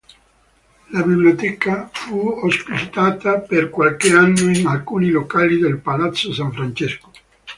La biblioteca fu ospitata per qualche anno in alcuni locali del palazzo San Francesco.